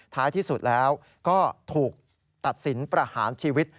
ท้ายที่สุดแล้วก็ถูกตัดสินประหารชีวิต